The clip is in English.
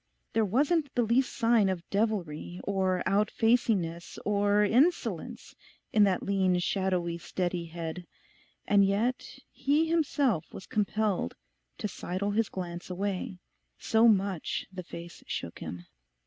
There wasn't the least sign of devilry, or out facingness, or insolence in that lean shadowy steady head; and yet he himself was compelled to sidle his glance away, so much the face shook him.